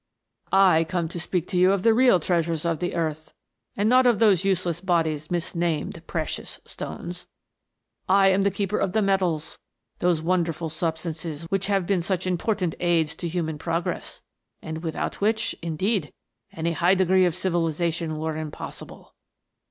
" I come to speak to you of the real treasures of the earth, and not of those useless bodies misnamed precious stones. I am the keeper of the metals, those wonderful substances which have been such important aids to human progress, and without which,, indeed, any high degree of civilization were impossible.